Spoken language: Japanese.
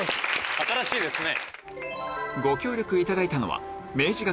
新しいですね。